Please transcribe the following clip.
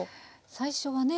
最初はね